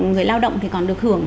người lao động thì còn được hưởng